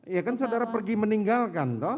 ya kan saudara pergi meninggalkan toh